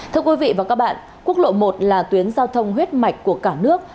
thưa quý vị và các bạn quốc lộ một là tuyến giao thông huyết mạch của cả nước